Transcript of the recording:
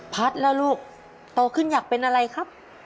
พัฒน์แล้วลูกโตขึ้นอยากเป็นอะไรครับ